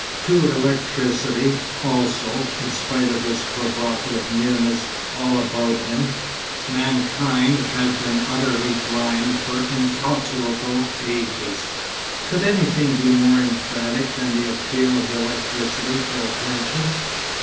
To electricity also, in spite of its provocative nearness all about him, mankind had been utterly blind for incalculable ages. Could anything be more emphatic than the appeal of electricity for attention?